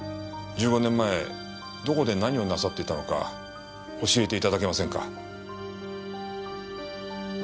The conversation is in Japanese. １５年前どこで何をなさっていたのか教えて頂けませんか？